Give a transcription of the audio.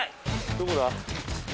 どこだ？